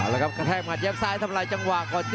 เอาละครับกระแทกหมาเย็บซ้ายทำลายจังหวัง